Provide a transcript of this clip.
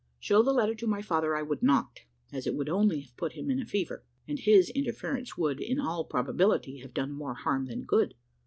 Show the letter to my father I would not, as it would only have put him in a fever, and his interference would, in all probability, have done more harm than good.